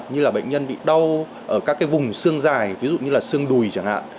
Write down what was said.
như là bệnh nhân bị đau ở các cái vùng xương dài ví dụ như là xương đùi chẳng hạn